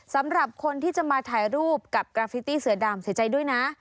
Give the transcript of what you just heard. สำหรับคนที่จะมาถ่ายรูปกับกราฟิตี้เสือดำเสียใจด้วยนะ